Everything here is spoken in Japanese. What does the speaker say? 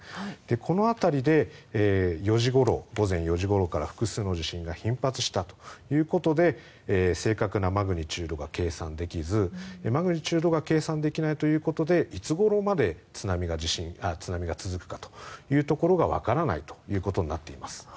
この辺りで午前４時ごろから複数の地震が頻発したということで正確なマグニチュードが計算できずマグニチュードが計算できないということでいつごろまで津波が続くかというところがわからないということになっています。